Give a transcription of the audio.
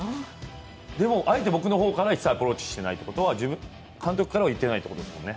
でもあえて僕の方から一切アプローチしていないということは監督からは言っていないということですもんね。